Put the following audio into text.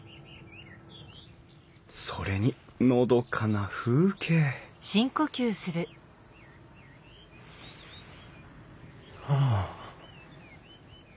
それにのどかな風景はあ。